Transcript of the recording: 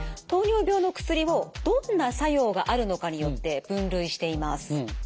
糖尿病の薬をどんな作用があるのかによって分類しています。